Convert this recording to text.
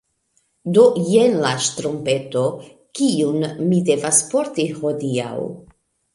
Do jen la ŝtrumpeto, kiun mi devas porti hodiaŭ.